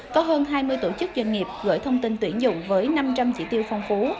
có hơn hai mươi tổ chức doanh nghiệp gửi thông tin tuyển dụng với năm trăm linh chỉ tiêu phong phú